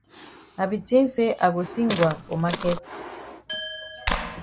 I be tink say I go see Ngwa for maket.